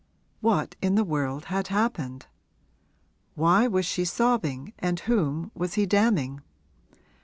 What in the world had happened? Why was she sobbing and whom was he damning?